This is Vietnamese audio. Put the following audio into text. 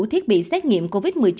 thiết bị xét nghiệm covid một mươi chín